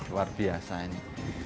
luar biasa ini